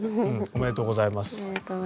おめでとうございます。